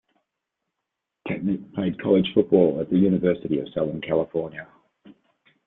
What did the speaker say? Katnik played college football at the University of Southern California.